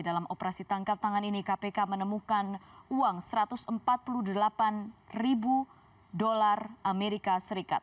dalam operasi tangkap tangan ini kpk menemukan uang satu ratus empat puluh delapan ribu dolar as